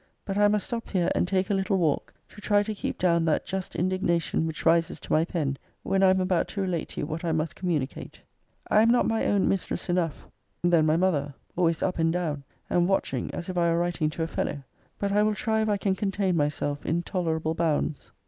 But I must stop here, and take a little walk, to try to keep down that just indignation which rises to my pen, when I am about to relate to you what I must communicate. I am not my own mistress enough then my mother always up and down and watching as if I were writing to a fellow. But I will try if I can contain myself in tolerable bounds.